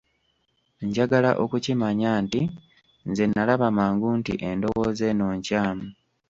Njagala okukimanya nti nze nalaba mangu nti endowooza eno nkyamu.